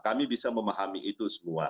kami bisa memahami itu semua